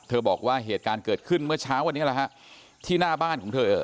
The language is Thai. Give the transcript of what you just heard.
บอกว่าเหตุการณ์เกิดขึ้นเมื่อเช้าวันนี้แหละฮะที่หน้าบ้านของเธอ